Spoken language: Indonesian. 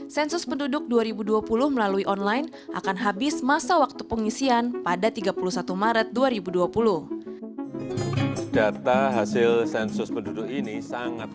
sensus penduduk dua ribu dua puluh melalui online akan habis masa waktu pengisian pada tiga puluh satu maret dua ribu dua puluh